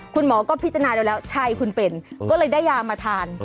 คุณหมอก็พิจารณาได้แล้วใช่คุณเป็นก็เลยได้ยามาทาน